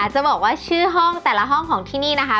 จะบอกว่าชื่อห้องแต่ละห้องของที่นี่นะคะ